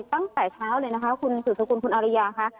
ตั้งแต่เช้าเลยนะคะคุณสุดสกุลคุณอาริยาค่ะ